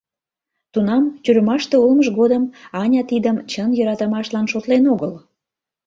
Тунам, тюрьмаште улмыж годым, Аня тидым чын йӧратымашлан шотлен огыл.